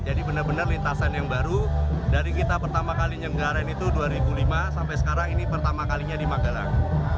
jadi benar benar lintasan yang baru dari kita pertama kali nyenggarin itu dua ribu lima sampai sekarang ini pertama kalinya di magelang